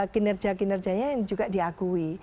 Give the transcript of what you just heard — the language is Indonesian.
kinerja kinerjanya juga diakui